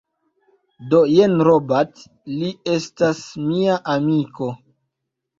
Do jen Robert, li estas mia amiko